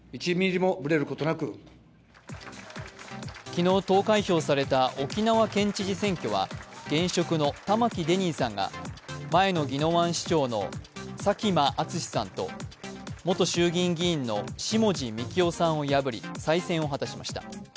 昨日投開票された沖縄県知事選挙は現職の玉城デニーさんが前の宜野湾市長の佐喜眞淳さんと元衆議院議員の下地幹郎さんを破り再選を果たしました。